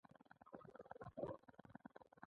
نو دا خو يې هسې نه وييل -